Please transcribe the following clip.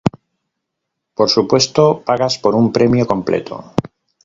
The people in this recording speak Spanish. Por supuesto, pagas por un premio completo.